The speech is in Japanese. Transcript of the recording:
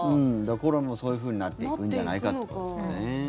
コロナもそういうふうになっていくんじゃないかってことですかね。